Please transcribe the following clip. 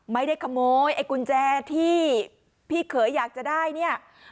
ไม่ได้ขโมยไอ้กุญแจที่พี่เขยอยากจะได้เนี่ย